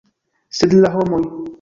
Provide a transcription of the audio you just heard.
Sed la homoj!